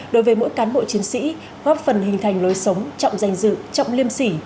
đối với mỗi cán bộ chiến sĩ góp phần hình thành lối sống trọng danh dự trọng liêm sỉ